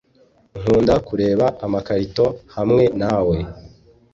nkunda kureba amakarito hamwe nawe